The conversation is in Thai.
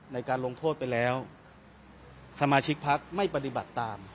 ในการลงโทษไปแล้วสมาชิกพักไม่ปฏิบัติตาม